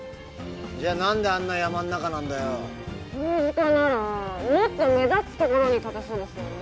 じゃあ何であんな山ん中なんだよ政治家ならもっと目立つところに建てそうですよね